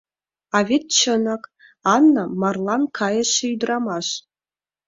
А вет чынак, Анна — марлан кайыше ӱдырамаш.